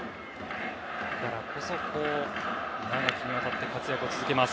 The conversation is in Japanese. だからこそ長きにわたって活躍を続けます。